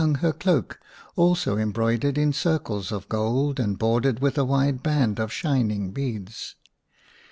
34 iv The Shining Princess her cloak, also embroidered in circles of gold and bordered with a wide band of shining beads.